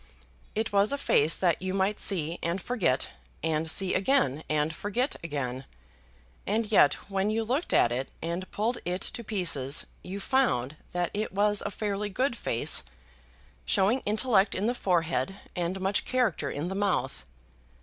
It was a face that you might see and forget, and see again and forget again; and yet when you looked at it and pulled it to pieces, you found that it was a fairly good face, showing intellect in the forehead, and much character in the mouth.